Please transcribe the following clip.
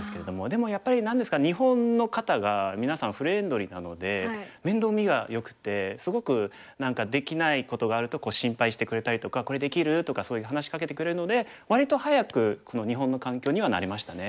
でもやっぱり何ですか日本の方がみなさんフレンドリーなので面倒見がよくてすごく何かできないことがあると心配してくれたりとか「これできる？」とかそういう話しかけてくれるので割と早く日本の環境には慣れましたね。